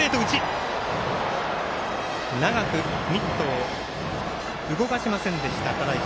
長くミットを動かしませんでした、只石。